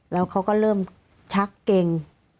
แล้วเขาก็เริ่มชักเก่ง